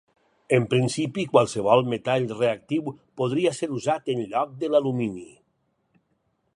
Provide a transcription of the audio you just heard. En principi, qualsevol metall reactiu podria ser usat en lloc de l'alumini.